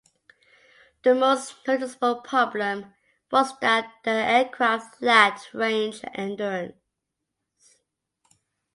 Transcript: The most noticeable problem was that the aircraft lacked range and endurance.